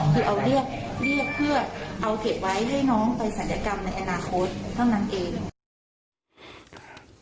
คือเอางั้นไม่ได้เรียกเอารวยอ่ะเอาเคล็ดไว้ให้น้องไปสัญญากรรมในอนาคตต้องนั้นเอง